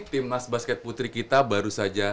tim nas basket putri kita baru saja